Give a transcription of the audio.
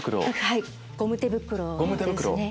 ゴム手袋ですね。